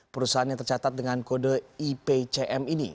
perusahaannya tercatat dengan kode ipcm ini